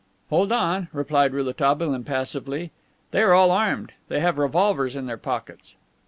"Hold on," replied Rouletabille impassively. "They are all armed; they have revolvers in their pockets."